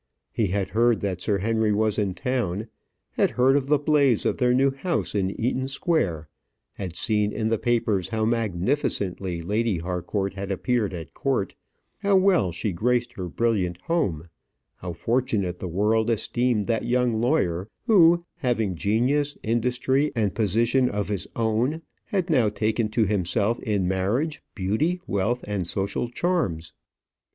He had heard that Sir Henry was in town, had heard of the blaze of their new house in Eaton Square, had seen in the papers how magnificently Lady Harcourt had appeared at court, how well she graced her brilliant home, how fortunate the world esteemed that young lawyer who, having genius, industry, and position of his own, had now taken to himself in marriage beauty, wealth, and social charms.